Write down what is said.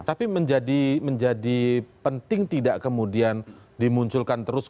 tapi menjadi penting tidak kemudian dimunculkan terus